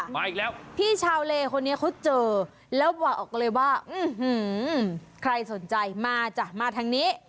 มาอีกแล้วพี่ชาวเลคนนี้เขาเจอแล้วบอกเลยว่าใครสนใจมาจ้ะมาทางนี้